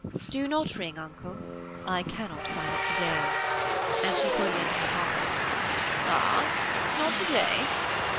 "Do not ring, Uncle; I cannot sign it to day," and she put it into her pocket. "Ah, not to day!